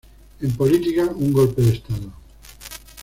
En política: un golpe de estado.